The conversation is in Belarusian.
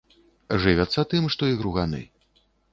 Жывяцца тым, што і груганы.